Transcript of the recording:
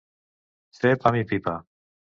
Fer pam i pipa.